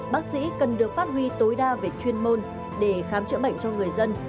bác sĩ cần được phát huy tối đa về chuyên môn để khám chữa bệnh cho người dân